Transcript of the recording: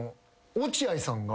落合さんが。